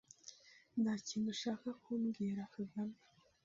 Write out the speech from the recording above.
Nta kintu ushaka kubwira Kagame?